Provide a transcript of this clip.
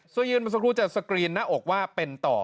เสื้อยึดมึงสักครู่จะสกรีนหน้าอกว่าเป็นต่อ